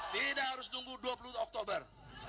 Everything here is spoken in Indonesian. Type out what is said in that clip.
tidak harus nunggu dua puluh oktober